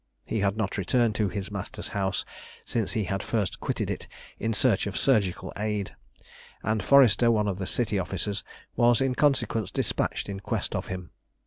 He had not returned to his master's house since he had first quitted it in search of surgical aid; and Forrester, one of the City officers, was in consequence despatched in quest of him.